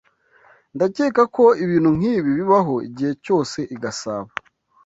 Ndakeka ko ibintu nkibi bibaho igihe cyose i Gasabo.